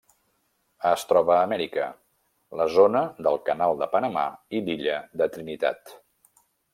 Es troba a Amèrica: la Zona del Canal de Panamà i l'illa de Trinitat.